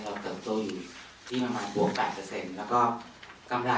เราเติบโตอยู่ที่ประมาณ๘และกำไร๙๐